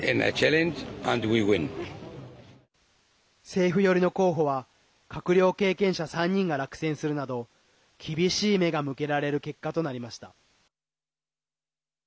政府寄りの候補は閣僚経験者３人が落選するなど厳しい目が向けられる結果となりました。